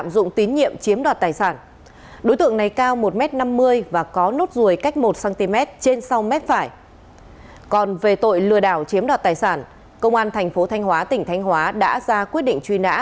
khi kiếm đoạt tài sản công an tp thanh hóa tỉnh thanh hóa đã ra quyết định truy nã